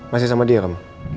masih sama dia kamu